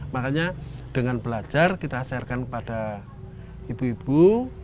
makanya dengan belajar kita sharekan kepada ibu ibu